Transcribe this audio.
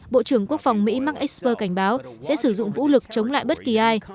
bộ trưởng quốc phòng mỹ mark esper cảnh báo sẽ sử dụng vũ lực chống lại bất kỳ ai